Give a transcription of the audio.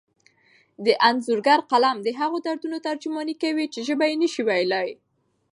د انځورګر قلم د هغو دردونو ترجماني کوي چې ژبه یې نشي ویلی.